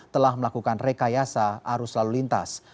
telah melakukan rekayasa arus lalu lintas